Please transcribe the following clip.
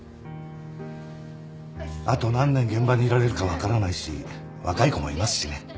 あと何年現場にいられるか分からないし若い子もいますしね。